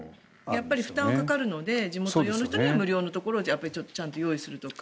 やっぱり負担はかかるので地元の人には無料のところをちゃんと用意するとか。